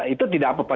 itu tidak apa apa